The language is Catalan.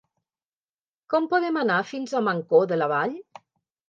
Com podem anar fins a Mancor de la Vall?